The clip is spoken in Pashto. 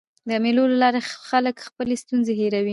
د مېلو له لاري خلک خپلي ستونزي هېروي.